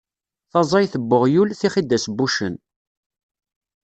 Taẓayt n uɣyul, tixidas n wuccen.